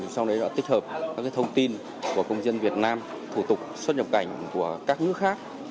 sau đấy đã tích hợp các thông tin của công dân việt nam thủ tục xuất nhập cảnh của các nước khác